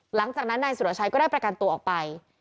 หลังจากนั้นนายสุรชัยก็ได้ประกันตัวออกไป